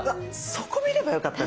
そこ見ればよかったね